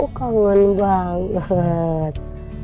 oh kangen banget